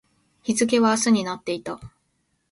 日付は明日になっていた